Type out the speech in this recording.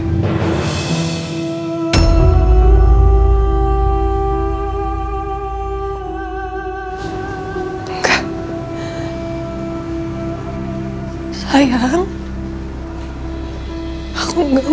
atau senang juga